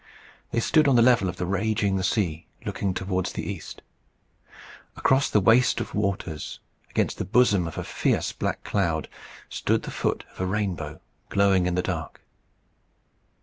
They stood on the level of the raging sea, looking towards the east. Across the waste of waters, against the bosom of a fierce black cloud, stood the foot of a rainbow, glowing in the dark.